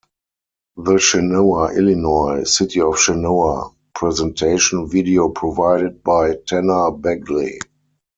The Chenoa Illinois, City of Chenoa Presentation video Provided by Tanner Bagley.